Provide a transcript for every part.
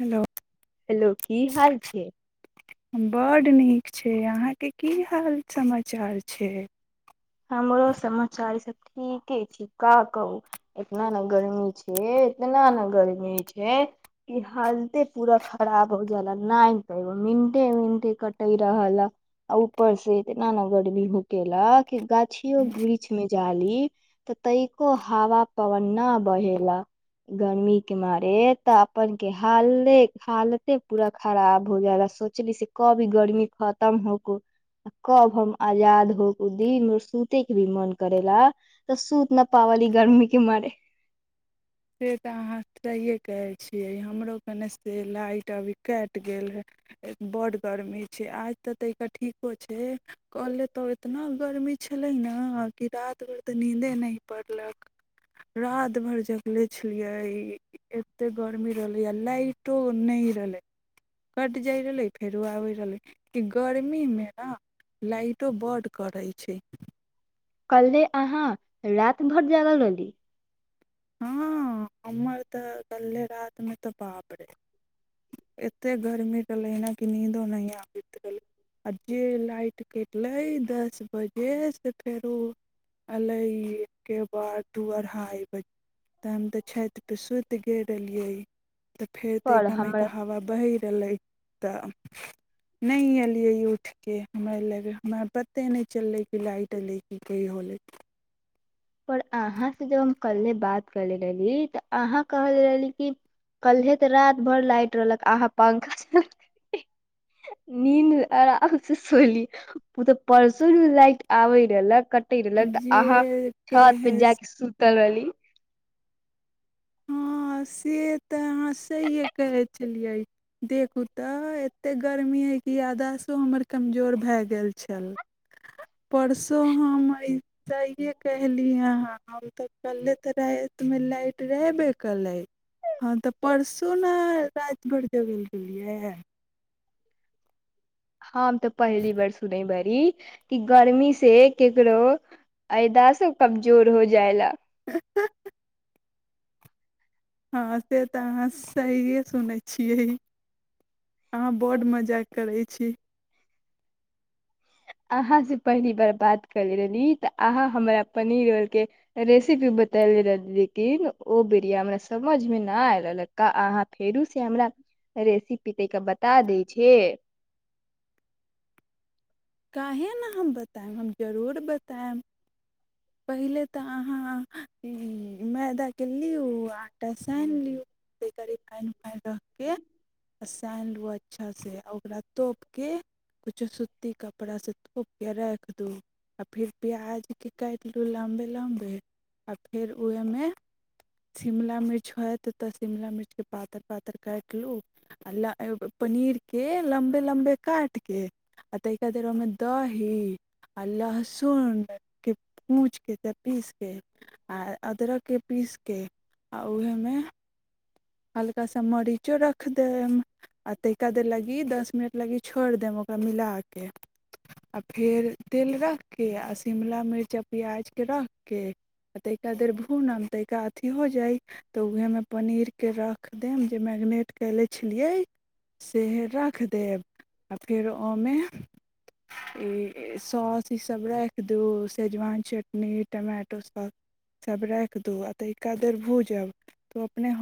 hello hello की हाल छै बड नीक छै से अहाँके की हाल समाचार छै हमरो समाचार सब ठीके छी का कहू एतना ने गर्मी छै इतना ने गर्मी छै कि हालते पूरा खराब हो जाल नहि तो मंटे मंटे कटे रहल ह आ ऊपर से इतना ने गर्मी होकेेलक क गा िय वृक्षमे जाली तऽ तैको हवा पवना बहेला गर्मी के मारे तऽ अपन के हाले हालते पूरा खराब हो जाा सोचली से कब ई गर्मी खतम होक कब हम आजाद होक र सूते क भी मन करेला तऽ सूत न पावली गरमी के मर से तऽ अहाँ सहिए कहै छियै हमरो कने से लाइट अभी कटि गेल हए बड गर्मी छै आज ते ता ठीको छै कहलले तो एतना गर्मी छले ने कि रात भर तऽ नीदे न पड़लक रात भर जब देखलै छलियै एतेक गर्मी रहलै आ लाइटो नहि रहलै कटि जाइत रहलै फेरो आबैत रहलै कि गर्मीमे ने लाइटो बड करै छै कहल्ले अहाँ रात भर जागल रहली हँ हमर तऽ कल्हे राति मे तऽ बाप रे एते गर्मी रहलैन कि नीदो नहि आबैत रहलै आ जे लाइट कटले दस बजे से फेरो एले एकके बार दढ़ाई तन तऽ छति पसुत गर रहलियै तऽ फेर तऽ पर कामेके हमरा हवा बह रहले तऽ नहि अयलियै ई उठिके हमरा लए हमरा पते नहि चललै कि लाइट एलै कि की होलै पर अहाँ से जब हम कल्हे बात करले रहली तऽ अहाँ कहले रहली कि कल्हे तऽ रात भर लाइट रहलक अहाँ पंखा नीन्द आराम से सोली ओ तऽ परसो लाइट आबे रहलक रल त जे आहा छत पे कहै जााक सुूत कलवी हँ से तऽ अहाँ सहिए कहै छलियै देखू तऽ एतेक गर्मी हइ कि आधासो हमर कमजोर भए गेल छल परसू हम अ सहिए कहलिय हँ हम तऽ कल्े तऽ रातिमे लाइट रहेबे कलै हँ तऽ परसू ने राजगर जबै लए गेलियै हम तऽ पहली बार सुने बड़ी कि गर्मी से ककरो अयद से कमजोर हो जाय ला ह हँ से तऽ अहाँ सहिए सुनै छियै अहाँ बड्ड मजा करै छी अहाँ से पहली बार बात करले रहली तऽ अहाँ हमरा पनीरल के रेसिपी बते रहली लेकिन ओ बिरिया हमरा समझ मे नहि आय रहलका अहाँ फेरो से हमरा रेसिपी तके बता दै छै काहे ने हम बतायब हम जरूर बतायब पहिले तऽ अहाँ मैदाके लिउ आटा सानि लिउ त रिफाइन उफाइन रखि कऽ आ सानि लू अच्छासँ आ ओकरा तोप के कुछु सुूती क पड़ा से तोप के राख दू आ फेर प्याज के काटलू लम्बे लम्बे आ फेर ओहमे शिमला मिर्च हत तो शिमला मिर्च के पातर पात तर काटि लु आ पनीर के लम्बे लम्बे काट के आ त करो मे दही आ लहसुन के पूज के से पीस के आ अदरक के पीस के आ उहे मे हल्का सा मरीचो रखि देब आ तहिका देर लागी दस मिनट लागी छोड़ि देब ओकरा मिला कऽ आ फेर तेल रखि कऽ आ शिमला मिर्च आ प्याजके रखि कऽ आ तहिका देर भूनब तहिका अथि हो जाइ तऽ उएहेमे पनीर राख देब जे मैगनेट कले छलियै से राख देब आ फेर ओहिमे द सौस ई सभ रखि दू सजवान चटनी टमाटो सौसा सब राखि दू तनिका देर भूजब त ओ अपने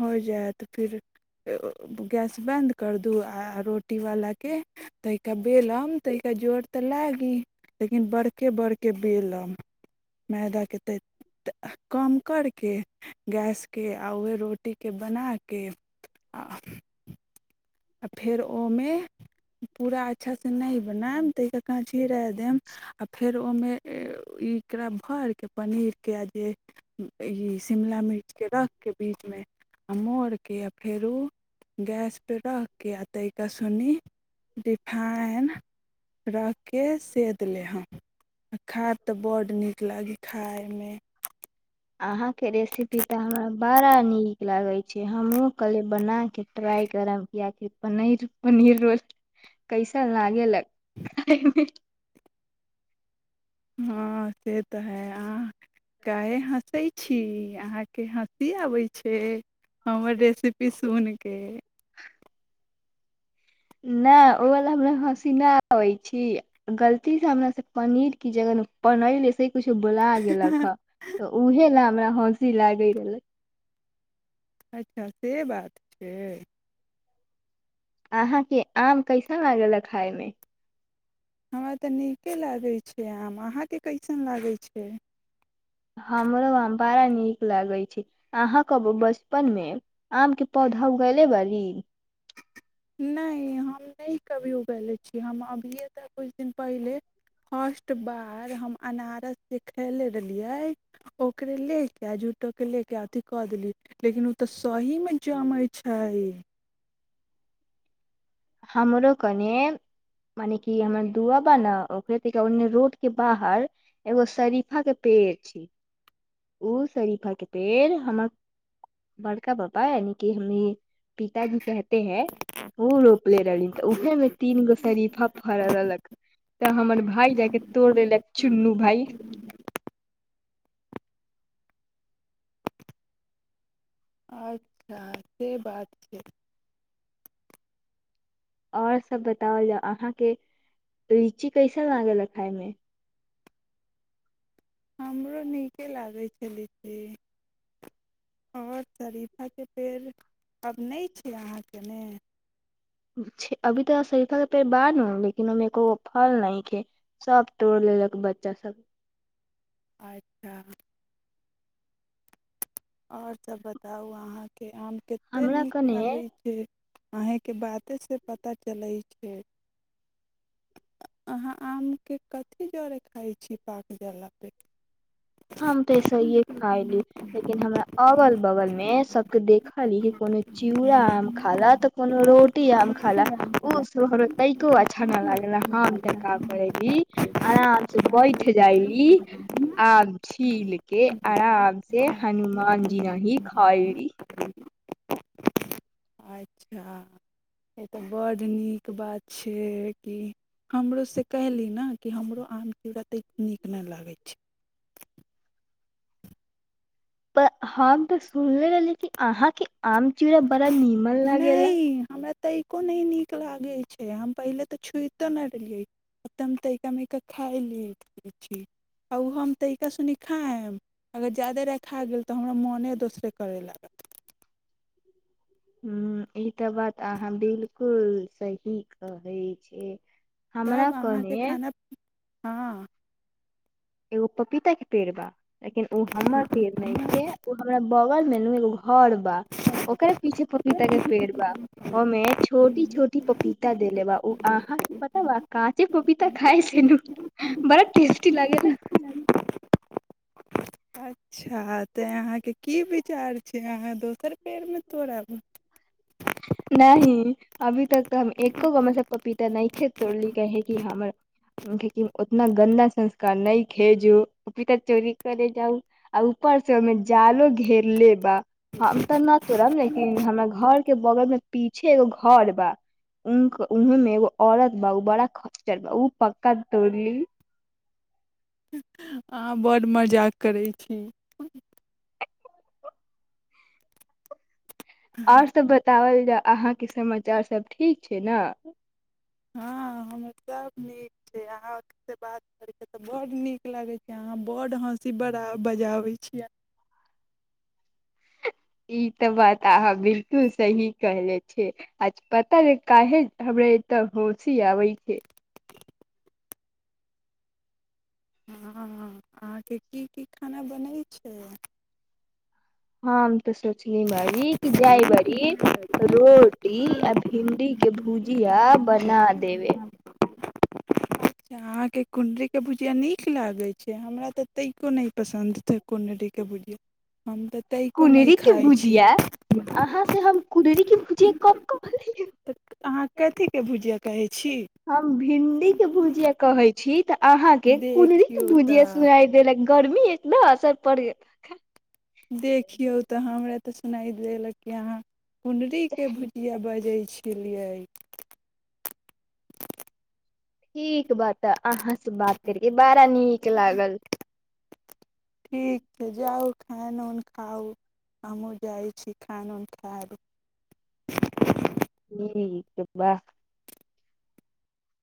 फिर गैस बन्द कर रोटी वाल के त बेलम ता जोर तऽ लागी लेकिन बड़के बड़के बेलम मैदा के त कम करके गै केहोट आ क आ आ फेर ओहिमे पूरा अच्छासँ नहि बनायब ता क काँ छिराए देब आ फेर ओहिमे ई एकरा भरि कऽ पनीरके आ जे ई शिमला मिर्च के रख के बीचमे आ मोड़के य फेर ओ गैस पे रख कि आ ताहि कऽ सुनी रिफाइन रख कऽ सेद लेहब आ खाब तऽ बड्ड नीक लागै खायमे आहाँ क रेसि पी ता हमरा बड़ा नीक लागै छै हमहहुँ कहलियै बना कऽ ट्राइ करब किआकि पनीर पनीर रो कैसन लागेलक खायमे हँ से तऽ है अहाँ काह हँसै छी अहाँके हँसी आबै छै हमर रेसिपी सुून के नहि ओ वला हमरा हँसी नहि आबै छी गलती से हमरा से पनीर की जगह पनीर ले कुछु बुला गेलक ह तऽ उऊहे ला रा हसी लागै रहलै अच्छा से बात छै अहाँके आम कैसन लागल ह खायमे हमरा तऽ नीके लागै छै आम अहाँके कैसन लागै छै हमरो आम बड़ा नीक लागै छै अहाँके बचपनमे आमके पौधा उगले बाली नहि हम नहि कभी उगले छी हम अभिये तऽ किछु दिन पहिले फर्स्ट बार हम अनारस जे खयले रहलियै ओकरे लऽ कऽ आ जूटोकेँ लऽ कऽ अथि कऽ देलियै लेकिन ओ तऽ सहीमे जमै छै हमरो कने मने कि हमर दआ बा ने ओकरेने रोड के बाहर एगो शरीफा के पेड़ छै ओ शरीफा के पेड़ हमर बड़का बाबा यानि कि हमी पिताजी कहते हैं प्लेर रहल तऽ उह मे तीन गो साड़ी फरऽ दक तऽ हमर भाय लाक तोड़ दक चुन्नू भाय ह से बात छै आओर सब बताओल जा अहाँके रुचि कैसन लागल खाायमे हमरो नीके लागै छै लीची आओर शरीफाके पेड़ आब नहि छै अहाँके ने अभी तऽ सही फे बाद लेकिन ओहिमे कोो फल न खे सब तोड़ लेलक बच्चा सब अच्छा आऔर जब बताउ अहाँके आम कते हमरा नीक कने लागे छै अहींके बाते से पता चलैत छै अहाँ आमके कथि जरे खाइ छी पाक जाला पे हम तऽ ऐसेहिये खायली लेकिन हमरा अगल बगल मे सबके देखली कि कोनो चिउड़ा आम खाला तऽ कोनो रोटी रोटी आम खाला ओ से [inaudible] तैनिको अच्छा न लागेला हम तऽ का करेली आराम से बैठ जायली आम छील के आराम से हनुमान जी नाही खाइली अच्छा से तऽ बड्ड नीक बात छै कि हमरोसँ कहली ने कि हमरो आम की कतेक नीक नहि लागै छै पर हम तऽ सुनले रहली कि अहाँके आम चिउड़ा बड़ा निमल लागेला तइको नहि नीक लागै छै हम पहिले तऽ छुइतो नहि रहलियै आब तऽ हम तरिका महिका खाय लै छी आ ओ हम तरीका सुनि खायब अगर जायदे रह खा गेल तऽ हमरा मोने दोसरे करय लागत हूँ ई तऽ बात अहाँ बिलकुल सही कहै छी तब अहाँके खाना हँ एगो पपीता के पेड़ बा लेकिन ओ हमर पेड़ नैखे ओ हमरा बगल मे को [unintelligible] घर बा ओकर पीछे पपीता के पेड़ बा ओमे छोटी छोटी पपीता देले बा उ अहाके पता बा काँचे पपीता खाय से न बड़ टेस टी लागेला हँ अच्छा तऽ अहाँके की विचार छै अहाँ दोसर पेड़मे तोड़बू नही अभी तक तऽ हम एको गो मे से पपीता नहिखे तोड़ली रहे कि हमरा लेकिन ओत उतना गन्दा संस्कार नैखे जे पपीता चोरी करे जाउ आ ऊपर से ओहिमे जालो घेरले बा हम तऽ न तोरब लेकिन हमर घर के बगलमे पीछे एगो घर बा उ उहे मे एगो औरत बा उ बड़ा खच्चर बा ओ पक्का तोड़ ली अहाँ बड्ड मजाक करै छी आओर सब बतावल अहाँके समाचार सब ठीक छै ने हँ हमर सभ नीक छै अहाँ अथीसँ बात करैके तऽ बड्ड नीक लागै छै अहाँ बड्ड हँसी बड़ा बजाबै छियै ई तऽ बात अहाँ बिलकुल सही कहले छियै आ पता काहे हमराे एतऽ हँसी आबै छै हँ अहाँके की की खाना बनै छै हँ तऽ सोचले बारी कि जाइबारी रोज टी आ भिंडी के भुजिया बना देबै अच्छा अहाँके कुण्डरीके भुजिया नीक लागैत छै हमरा तऽ तैको नहि पसन्द छै कुण्डरीके भुजिया हम तऽ तनिको नहि कुण्डरी के खाइ छी भुजिया अहाँ से हम कुण्डरी के भुजिया कब कहली तऽ अहाँ कथीके भुजिया कहै छी हम भिंडी के भुजिया कहै छी तऽ अहाँके कुंडरी के देखियौ भुजिया तऽ सुनाइ देलक गर्मी एतना असर पड़े य देखियौ तऽ हमरा तऽ सुनाइ देलक कि अहाँ कुणडरी के भुजिया बजै छलियै ठीक बा तऽ अहाँ सँ बात करिके बड़ा नीक लागल ठीक छै जाउ खान उन खाउ हमहूँ जाइ छी खान उन खायब ठीक बा